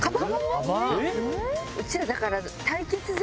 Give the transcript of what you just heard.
うちらだから。